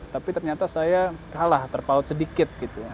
tapi ternyata saya kalah terpaut sedikit gitu